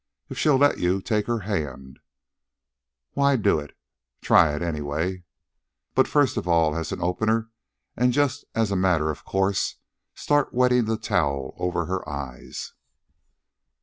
If she'll let you take her hand, why do it. Try it, anyway. But first of all, as an opener and just as a matter of course, start wetting the towel over her eyes."